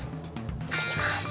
行ってきます。